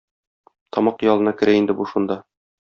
Тамак ялына керә инде бу шунда.